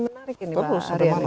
menarik ini pak haryana